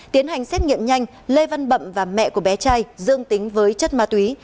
tiến hành xét nghiệm nhanh lê văn bậm và mẹ của bé trai dương tính với chất ma túy